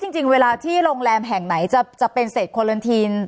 จริงเวลาที่โรงแรมแห่งไหนจะเป็นเศษโคลันทีน